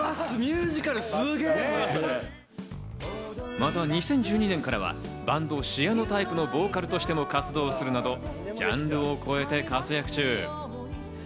また２０１２年からはバンド、ＣＹＡＮＯＴＹＰＥのボーカルとしても活動するなど、ジャンルを超えて活躍中。